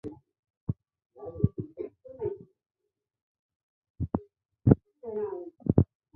他认为新牙龙是属于像斑龙的兽脚亚目恐龙。